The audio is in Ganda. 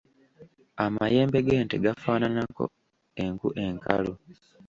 Amayembe g’ente gafaananako enku enkalu.